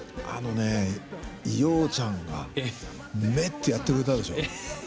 あのね洋ちゃんが「めッ」ってやってくれたでしょ。